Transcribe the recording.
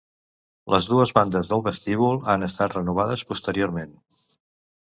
Les dues bandes del vestíbul han estat renovades posteriorment.